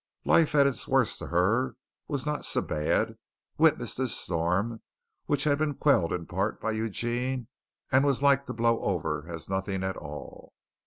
Life at its worst to her was not so bad. Witness this storm which had been quelled in part by Eugene and was like to blow over as nothing at all.